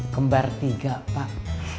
kembar tiga pak